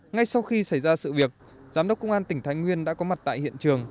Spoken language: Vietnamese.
ngay sau khi xảy ra sự việc giám đốc công an tỉnh thái nguyên đã có mặt tại hiện trường